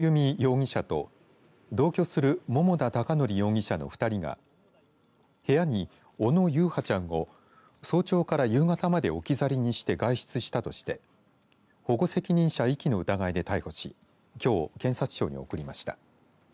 警察は祖母の小野真由美容疑者と同居する桃田貴徳容疑者の２人が部屋に小野優陽ちゃんを早朝から夕方まで置き去りにして外出したとして保護責任者遺棄の疑いで逮捕しきょう検察庁に送りました。